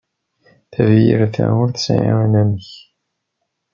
Tafyirt-a ur tesɛi anamek.